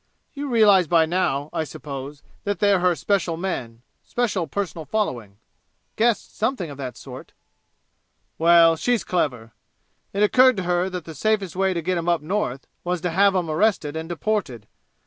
"You realize by now, I suppose, that they're her special men special personal following?" "Guessed something of that sort." "Well she's clever. It occurred to her that the safest way to get 'em up North was to have 'em arrested and deported.